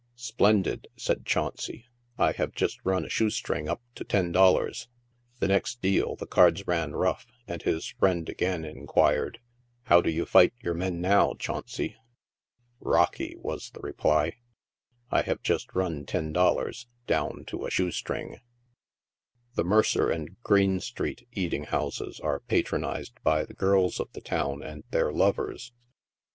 Splendid," says Chauncey ; "I have just run a shoe string up to ten dollars." The next deal the cards ran rough, and his friend again inquired, " How do you fight your men now, Chauncey ?"" Rocky," was the reply ;" I have just run ten dollars down to a shoe string." The Mercer and Greene street eating houses are patronized by the girls of the town and their lovers.